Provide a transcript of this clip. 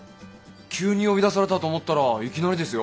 急に呼び出されたと思ったらいきなりですよ。